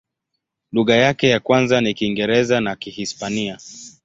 Lugha yake ya kwanza ni Kiingereza na Kihispania.